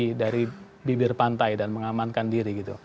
harus sudah pergi dari bibir pantai dan mengamankan diri